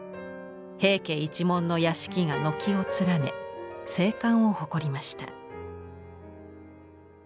平家一門の屋敷が軒を連ね盛観を誇りました。